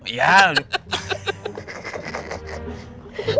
itu kuliah gini gini